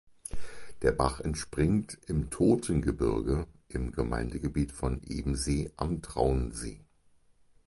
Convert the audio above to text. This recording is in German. Der Bach entspringt im Toten Gebirge im Gemeindegebiet von Ebensee am Traunsee.